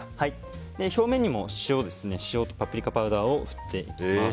表面にも塩とパプリカパウダーを振っていきます。